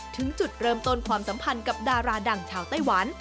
ถึงจุดเริ่มต้นความสัมพันธ์กับดาราดังชาวไต้หวัน